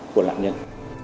của nạn nhân